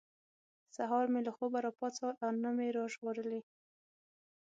سهار مې له خوبه را پاڅول او نه مې را ژغورلي.